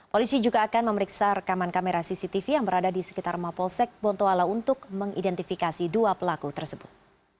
polisi juga akan memeriksa rekaman kamera cctv yang berada di sekitar mapolsek bontoala untuk mengidentifikasi dua pelaku tersebut